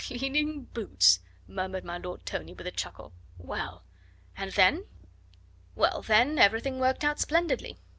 "Cleaning boots!" murmured my Lord Tony with a chuckle. "Well! and then?" "Well, then everything worked out splendidly.